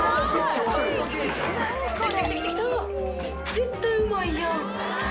絶対うまいやん！